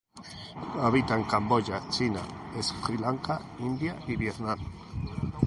Habita en Camboya, China, Sri Lanka, India y Vietnam.